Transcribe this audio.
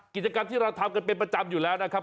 กิจกรรมที่เราทำกันเป็นประจำอยู่แล้วนะครับ